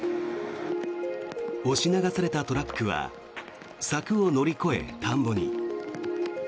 押し流されたトラックは柵を乗り越え、田んぼに。